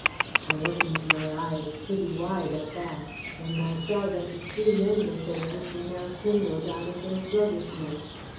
I opened my eyes pretty wide at that, and I saw that the three younger faces were now kindled out of their sluggishness.